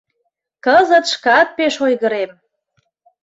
Кызыт шкат пеш ойгырем.